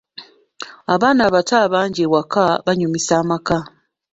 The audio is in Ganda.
Abaana abato abangi ewaka banyumisa amaka.